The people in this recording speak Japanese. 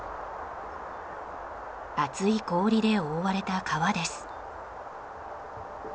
厚い氷で覆われた川です。